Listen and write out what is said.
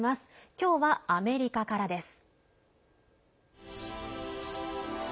今日はアメリカからです。